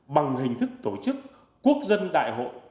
bằng hình thức tổ chức quốc dân đại hội